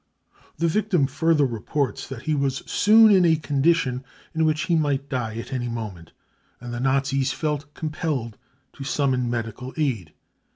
5 ' The victim further reports that he was soon in a condition in which he might die at any moment, and the Nazis felt compelled to summon medical aid.